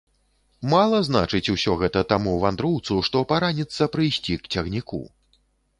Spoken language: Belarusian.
Мала значыць усё гэта таму вандроўцу, што параніцца прыйсці к цягніку.